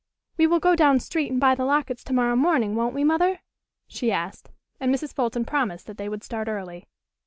"We will go down street and buy the lockets to morrow morning, won't we, Mother?" she asked, and Mrs. Fulton promised that they would start early.